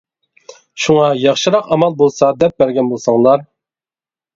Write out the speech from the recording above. شۇڭا ياخشىراق ئامال بولسا دەپ بەرگەن بولساڭلار.